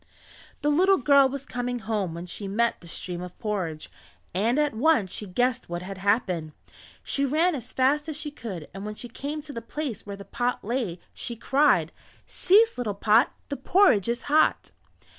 The little girl was coming home when she met the stream of porridge, and at once she guessed what had happened. She ran as fast as she could and when she came to the place where the pot lay she cried: "Cease little pot, The porridge is hot."